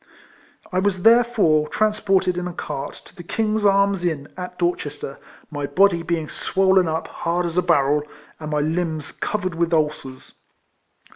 I was therefore transported in a cart to the King's Arms Inn, at Dorchester, my body being swollen up hard as a barrel, and my limbs covered with ulcers.